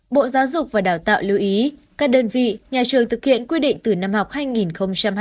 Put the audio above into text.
bộ giáo dục và đào tạo lưu ý các đơn vị nhà trường thực hiện quy định